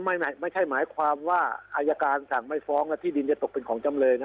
ไม่ใช่หมายความว่าอายการสั่งไม่ฟ้องแล้วที่ดินจะตกเป็นของจำเลยนะ